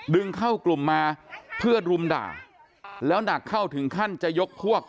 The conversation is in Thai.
ดึงเข้ากลุ่มมาเพื่อรุมด่าแล้วหนักเข้าถึงขั้นจะยกพวก